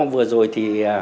vừa rồi thì